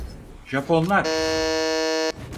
Japonlar…